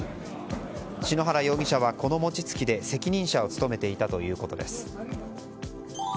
篠原容疑者はこの餅つきで責任者を務めていたということです。